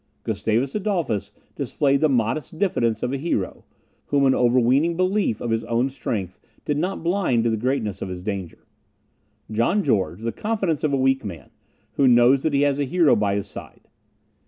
Gustavus Adolphus displayed the modest diffidence of a hero, whom an overweening belief of his own strength did not blind to the greatness of his danger; John George, the confidence of a weak man, who knows that he has a hero by his side.